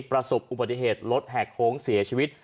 ประสบอุบัติเหตุรถแหกโค้งเสียชีวิต